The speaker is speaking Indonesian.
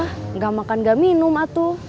tidak makan nggak minum atu